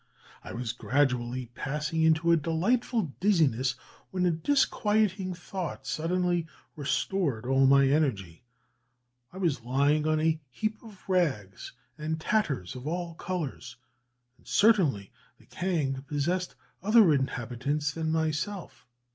I was gradually passing into a delightful dizziness, when a disquieting thought suddenly restored all my energy: I was lying on a heap of rags and tatters of all colours, and certainly the kang possessed other inhabitants than myself.